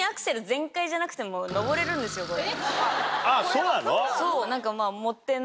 そうなの？